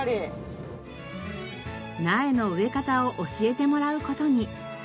苗の植え方を教えてもらう事に。